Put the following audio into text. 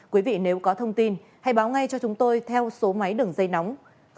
quý vị nếu có thông tin hãy báo ngay cho chúng tôi theo số máy đường dây nóng